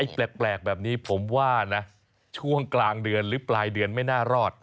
แปลกแบบนี้ผมว่านะช่วงกลางเดือนหรือปลายเดือนไม่น่ารอด